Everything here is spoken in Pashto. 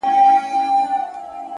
هره لحظه د نوې پرېکړې فرصت دی؛